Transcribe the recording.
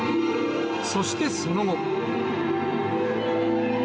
そしてその後。